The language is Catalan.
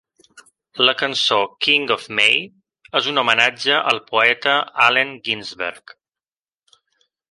La cançó "King of May" és un homenatge al poeta Allen Ginsberg.